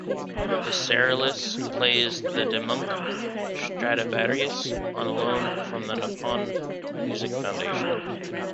Isserlis plays the De Munck Stradivarius, on loan from the Nippon Music Foundation.